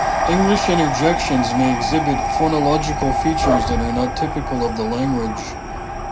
English interjections may exhibit phonological features that are not typical of the language.